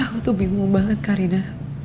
aku tuh bingung banget karina